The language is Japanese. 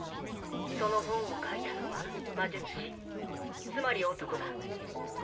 その本を書いたのは魔術師つまり男だ